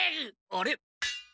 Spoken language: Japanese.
あれ？